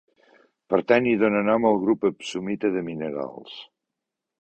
Pertany i dóna nom al grup epsomita de minerals.